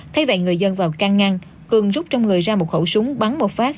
thay vậy người dân vào can ngăn cường rút trong người ra một khẩu súng bắn một phát